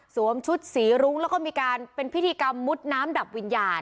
ชุดสีรุ้งแล้วก็มีการเป็นพิธีกรรมมุดน้ำดับวิญญาณ